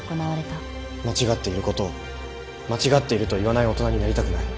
間違っていることを間違っていると言わない大人になりたくない。